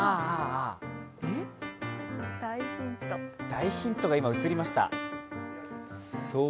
大ヒントが今、映りました。